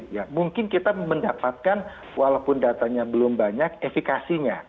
ya mungkin kita mendapatkan walaupun datanya belum banyak efekasinya